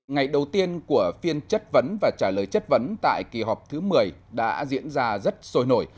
ngày đầu tiên của phiên chất vấn và trả lời chất vấn tại kỳ họp thứ một mươi đã diễn ra rất sôi nổi